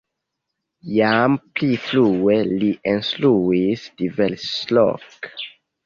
Jam pli frue li instruis diversloke.